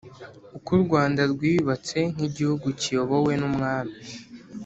uko u Rwanda rwiyubatse nk igihugu kiyobowe n umwami